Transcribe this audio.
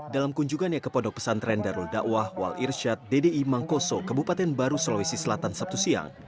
dalam kunjungannya ke pondok pesantren darul dakwah wal irsyad ddi mangkoso kebupaten baru sulawesi selatan sabtu siang